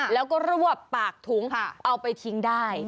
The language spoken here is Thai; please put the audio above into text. แล้วก็รวบปากถุงเอาไปทิ้งได้